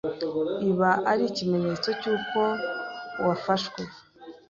iba ari ikimenyetso cy’uko wafshwe